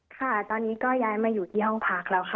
ค่ะตอนนี้ก็ย้ายมาอยู่ที่ห้องพักแล้วค่ะ